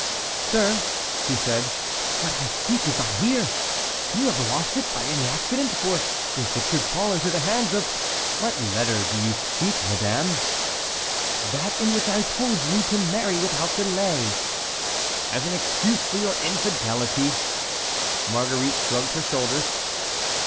"Sir," she said, "what I seek is not here. Can you have lost it, by any accident? for if it should fall into the hands of"— "What letter do you seek, madame?" "That in which I told you to marry without delay." "As an excuse for your infidelity?" Marguerite shrugged her shoulders.